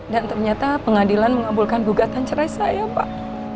dan ternyata pengadilan mengabulkan bugatan cerai saya pak